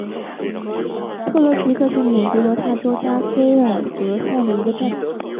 特罗皮克是美国犹他州加菲尔德县的一个镇。